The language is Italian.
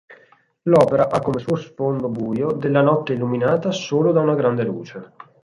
L'opera ha come suo sfondo buio della notte illuminata solo da una grande luce.